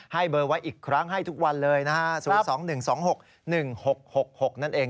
ให้เบอร์ไว้อีกครั้งให้ทุกวันเลยนะฮะ๐๒๑๒๖๑๖๖๖นั่นเอง